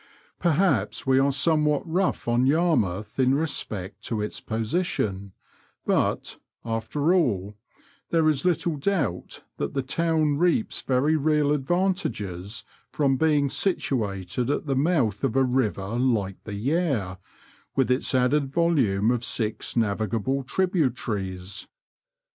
Perhaps we are somewhat rough on Yarmouth in respect to its position, but, after all, there is little doubt that the town reaps very real advantages from being situated at the Digitized by VjOOQIC ST OLAVES TO YARMOUTH AND ACLE. 5^ month of a river like the Yare, with its added volume of six navigable tributaries.